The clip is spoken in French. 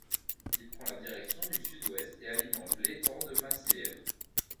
Il prend la direction du sud-ouest et alimente l'étang de Masselièvre.